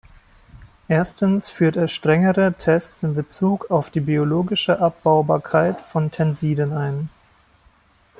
Erstens führt er strengere Tests in Bezug auf die biologische Abbaubarkeit von Tensiden ein.